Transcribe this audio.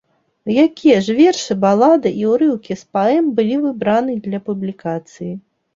Якія ж вершы, балады і ўрыўкі з паэм былі выбраны для публікацыі?